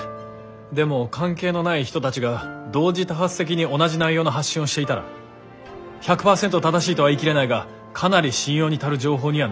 でも関係のない人たちが同時多発的に同じ内容の発信をしていたら１００％正しいとは言い切れないがかなり信用に足る情報にはなりうる。